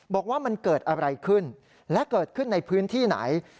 บอกว่ามันเกิดอะไรขึ้นและเกิดขึ้นในพื้นที่ไหน